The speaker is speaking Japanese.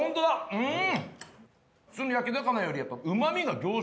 うん！